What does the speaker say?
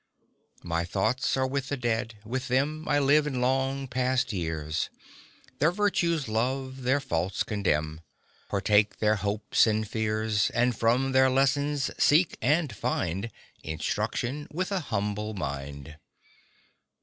My thoughts are with the Dead, with them I live in long past years, Their virtues love, their faults condemn, Partake their hopes and fears, And from their lessons seek and find Instruction with ^n humble mind.